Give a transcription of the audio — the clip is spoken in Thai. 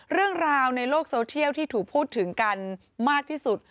เรื่องราวในโลกโซเทียลที่ถูกพูดถึงกันมากที่สุด